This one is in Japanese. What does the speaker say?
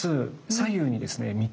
左右にですね３つ。